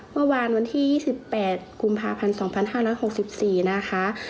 วันที่๒๘กุมภาพันธ์๒๕๖๔นะคะ